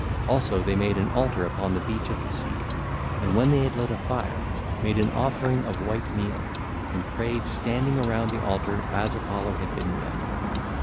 Also they made an altar upon the beach of the sea, and when they had lit a fire, made an offering of white meal, and prayed standing around the altar as Apollo had bidden them.